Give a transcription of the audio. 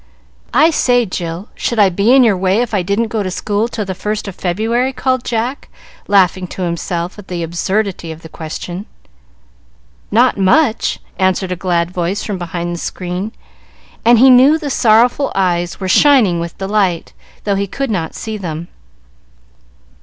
"I say, Jill, should I be in your way if I didn't go to school till the first of February?" called Jack, laughing to himself at the absurdity of the question. "Not much!" answered a glad voice from behind the screen, and he knew the sorrowful eyes were shining with delight, though he could not see them.